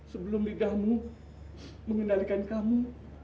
sebelum lidahmu mengendalikan kamu